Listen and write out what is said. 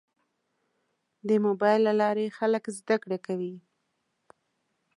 د موبایل له لارې خلک زده کړه کوي.